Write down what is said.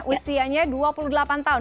usianya dua puluh delapan tahun